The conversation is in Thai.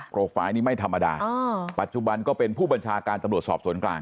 ฝ่ายนี้ไม่ธรรมดาปัจจุบันก็เป็นผู้บัญชาการตำรวจสอบสวนกลาง